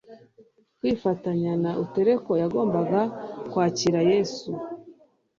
kwifatanya n'ulteko yagombaga kwakira Yesu.